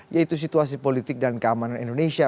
yaitu situasi politik dan keamanan indonesia